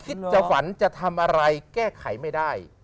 คิดจะฝันจะทำอะไรแก้ไขไม่ได้